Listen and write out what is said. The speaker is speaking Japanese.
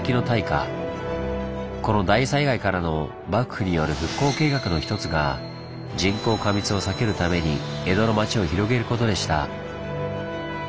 この大災害からの幕府による復興計画の一つが人口過密を避けるために江戸の町を広げることでした。